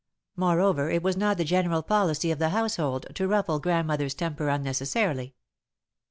Moreover, it was not the general policy of the household to ruffle Grandmother's temper unnecessarily.